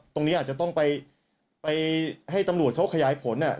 ตรงนี้อาจจะต้องไปให้ตำรวจเขาขยายผล